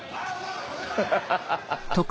ハハハハハ。